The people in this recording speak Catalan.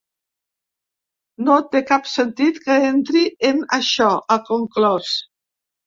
No té cap sentit que entri en això, ha conclòs.